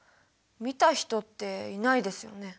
見た人っていないですよね？